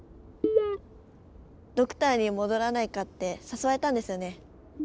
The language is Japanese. ドクターに戻らないかって誘われたんですよね？